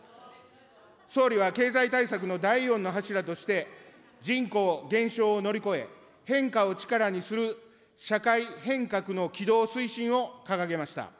総理は経済対策の第４の柱として、人口減少を乗り越え、変化を力にする社会変革の起動・推進を掲げました。